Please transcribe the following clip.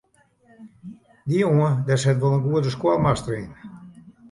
Dy jonge dêr sit wol in goede skoalmaster yn.